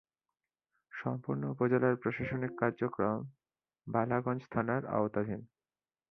সম্পূর্ণ উপজেলার প্রশাসনিক কার্যক্রম বালাগঞ্জ থানার আওতাধীন।